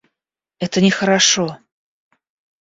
Это нехорошо!